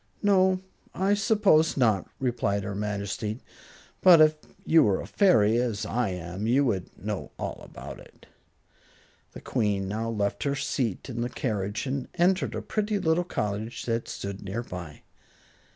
"No, I suppose not," replied her Majesty. "But if you were a fairy, as I am, you would know all about it." The Queen now left her seat in the carriage and entered a pretty little cottage that stood near by.